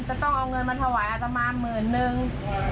ต้องเอาเงินมาถวายอัตมาหมื่นนึง